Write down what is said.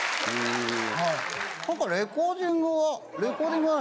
何かレコーディングはレコーディングは何？